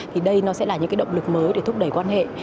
thì đây nó sẽ là những động lực mới để thúc đẩy quan hệ